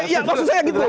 iya maksudnya gitu